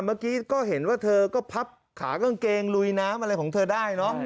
เมื่อกี้ก็เห็นว่าเธอก็พับขากางเกงลุยน้ำอะไรของเธอได้เนอะ